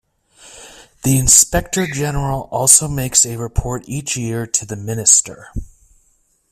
The Inspector-General also makes a report each year to the Minister.